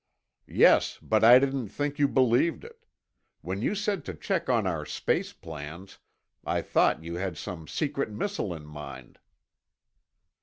"Yes, but I didn't think you believed it. When you said to check on our space plans, I thought you had some secret missile in mind."